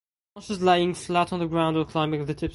Branches laying flat on the ground or climbing at the tips.